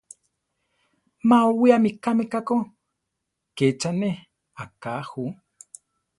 Má owiámi kame ká ko, ké cha ne; aká ju.